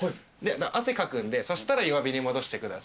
汗かくんでそしたら弱火に戻してください。